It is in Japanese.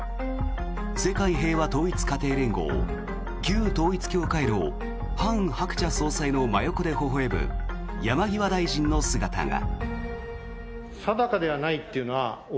世界平和統一家庭連合旧統一教会のハン・ハクチャ総裁の真横でほほ笑む山際大臣の姿が。